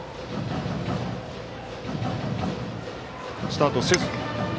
スタートせず。